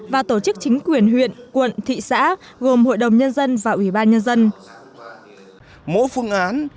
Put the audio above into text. và tổ chức chính quyền huyện quận thị xã gồm hội đồng nhân dân và ủy ban nhân dân